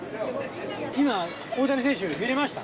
今、大谷選手、見れました？